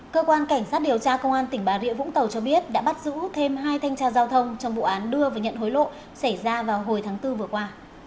cơ quan cảnh sát điều tra công an tỉnh bà rịa vũng tàu cho biết đã bắt giữ thêm hai thanh tra giao thông trong vụ án đưa và nhận hối lộ xảy ra vào hồi tháng bốn vừa qua